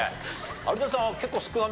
有田さんは結構少なめ。